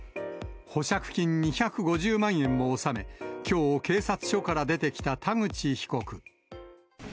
保釈金２５０万円を納め、きょう、警察署から出てきた田口被告。